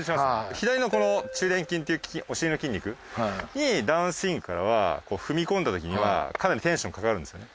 左のこの中臀筋っていうお尻の筋肉にダウンスイングからはこう踏み込んだときにはかなりテンションかかるんですよね。